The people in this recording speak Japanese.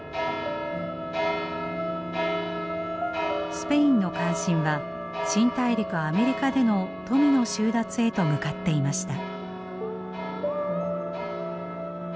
スペインの関心は新大陸アメリカでの富の収奪へと向かっていました。